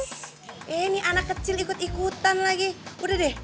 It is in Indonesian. eh ini anak kecil ikut ikutan lagi udah deh